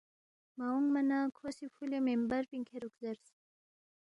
مہ اونگما نہ کھو سی فُولے مِنبر پِنگ کھیرُوک زیرس